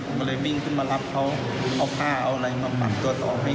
ผมก็เลยวิ่งขึ้นมารับเขาเอาผ้าเอาอะไรมาปักตัวต่อให้